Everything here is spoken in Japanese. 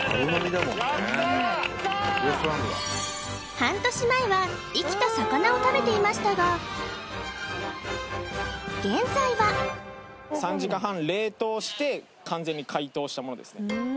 半年前は生きた魚を食べていましたが３時間半冷凍して完全に解凍したものですね